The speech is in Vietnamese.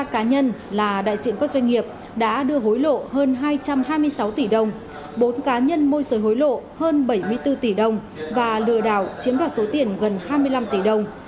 hai mươi ba cá nhân là đại diện các doanh nghiệp đã đưa hối lộ hơn hai trăm hai mươi sáu tỷ đồng bốn cá nhân môi rời hối lộ hơn bảy mươi bốn tỷ đồng và lừa đảo chiếm đoạt số tiền gần hai mươi năm tỷ đồng